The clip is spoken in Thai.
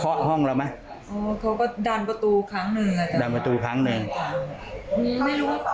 เพราะเพิ่นจะเดินออกไปทิ้งไปนี่ถึงพยายาม